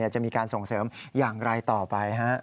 จะมีการส่งเสริมอย่างไรต่อไป